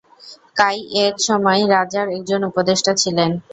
কাই এক সময় রাজার একজন উপদেষ্টা ছিলেন।